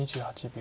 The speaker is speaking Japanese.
２８秒。